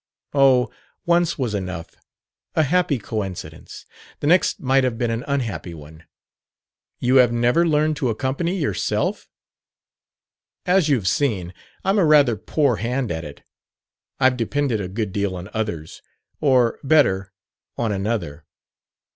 "Oh, once was enough. A happy coincidence. The next might have been an unhappy one." "You have never learned to accompany yourself?" "As you've seen, I'm a rather poor hand at it; I've depended a good deal on others. Or, better, on another."